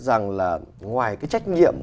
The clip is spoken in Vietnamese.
rằng là ngoài cái trách nhiệm